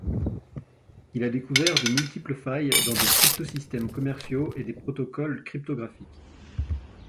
Il a découvert de multiples failles dans des cryptosystèmes commerciaux et des protocoles cryptographiques.